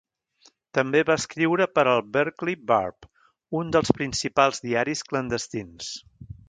També va escriure per al "Berkeley Barb", un dels principals diaris clandestins.